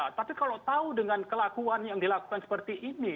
tapi kalau tahu dengan kelakuan yang dilakukan seperti ini